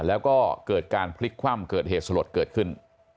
แล้วก็เกิดการพลิกคว่ำเกิดเหตุสลดเกิดขึ้น